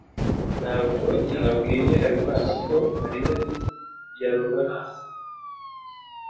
Ntabwo nabwiye Habimana ko Mariya yarubatse.